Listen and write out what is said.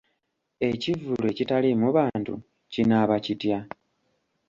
Ekivvulu ekitaliimu bantu kinaaba kitya?